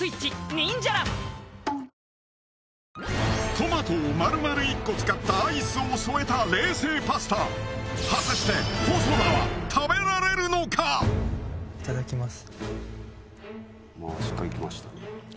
トマトを丸々１個使ったアイスを添えた冷製パスタ果たしていただきます。